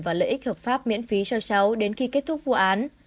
và lợi ích hợp pháp miễn phí cho cháu đến khi kết thúc vụ án